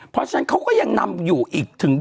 เพราะฉะนั้นเขาก็ยังนำอยู่อีกถึง